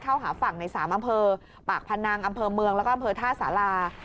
เข้าหาฝั่งใน๓อำเภอปากพนังอำเภอเมืองแล้วก็อำเภอท่าสารา